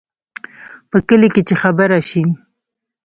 په کلي کې چې خبره شي،